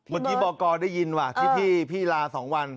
เมื่อกี้บอกกรได้ยินว่ะที่พี่ลา๒วัน